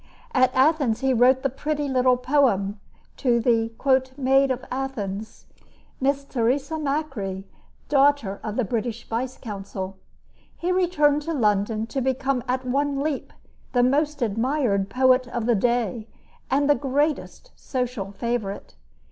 At Athens he wrote the pretty little poem to the "maid of Athens" Miss Theresa Macri, daughter of the British vice consul. He returned to London to become at one leap the most admired poet of the day and the greatest social favorite.